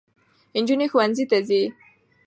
نجونې ښوونځي ته ځي.